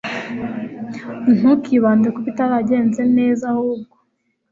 ntukibande ku bitaragenze neza. ahubwo